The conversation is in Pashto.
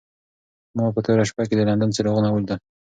ما په توره شپه کې د لندن څراغونه ولیدل.